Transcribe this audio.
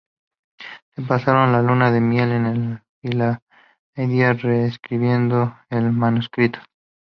Se pasaron la luna de miel en Filadelfia reescribiendo el manuscrito.